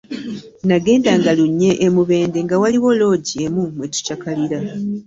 Nagendanga lunye e Mubende nga waliwo loogi emu mwe tukyakalira.